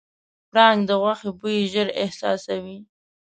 پړانګ د غوښې بوی ژر احساسوي.